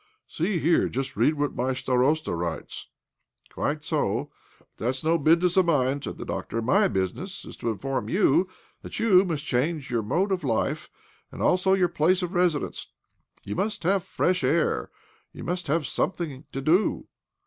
" See here just read what my starosta writes." " Quite so, but that is no business of mine," said the doctor. " My business is to inform you that you must change your mode of life, and also your place of resi dence. You must have fresh air— you must have something to do.